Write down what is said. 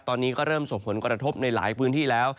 ตอนนี้ก็เริ่มส่งผลกระทบในหลายพื้นที่แล้ว